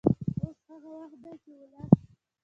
اوس هغه وخت دی چې ولس